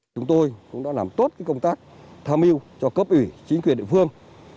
chúng tôi cũng đã làm tốt công tác tham mưu cho cấp ủy chính quyền địa phương